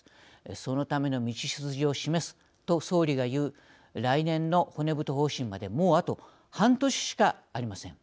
そのための道筋を示すという総理の来年の骨太方針まであと半年しかありません。